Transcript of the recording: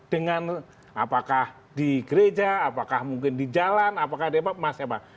dengan apakah di gereja apakah mungkin di jalan apakah di apa masih apa